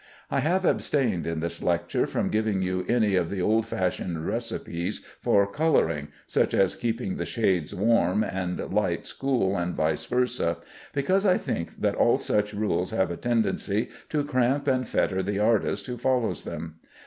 I have abstained in this lecture from giving you any of the old fashioned recipes for coloring (such as keeping the shades warm and lights cool, and vice versâ), because I think that all such rules have a tendency to cramp and fetter the artist who follows them.